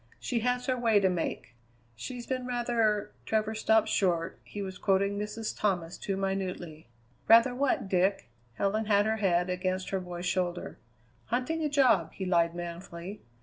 She has her way to make. She's been rather " Travers stopped short; he was quoting Mrs. Thomas too minutely. "Rather what, Dick?" Helen had her head against her boy's shoulder. "Hunting a job," he lied manfully.